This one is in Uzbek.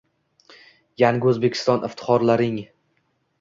Yangi O‘zbekiston iftixorlaring